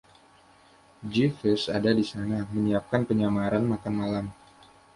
Jeeves ada di sana, menyiapkan penyamaran makan malam.